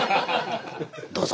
どうぞ」。